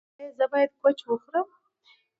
ایا زه باید کوچ وخورم؟